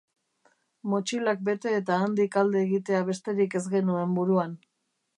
Motxilak bete eta handik alde egitea besterik ez genuen buruan.